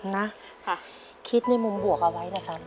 นะค่ะคิดในมุมบวกเอาไว้นะครับ